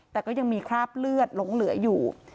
แต่ก็ยังมีคราบเลือดหลงเหลืออยู่